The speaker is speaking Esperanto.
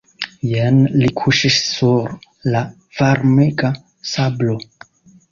Jen li kuŝis sur la varmega sablo.